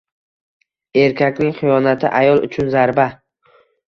Erkakning xiyonati ayol uchun zarba